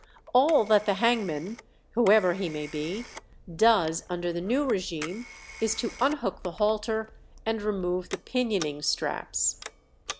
All that the hangman, whoever he may be, does under the new regime is to unhook the halter and remove the pinioning straps.